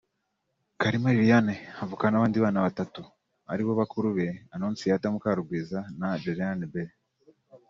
Kalima Liliane avukana n’abandi bana batatu ari bo bakuru be Annonciatta Mukarungwiza na Josiane B